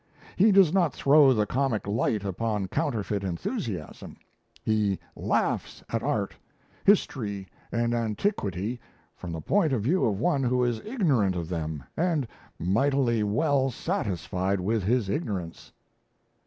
He does not throw the comic light upon counterfeit enthusiasm; he laughs at art, history, and antiquity from the point of view of one who is ignorant of them and mightily well satisfied with his ignorance."